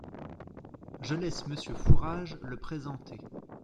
Je laisse Monsieur Fourage le présenter.